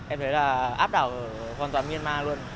em thấy là áp đảo hoàn toàn myanmar luôn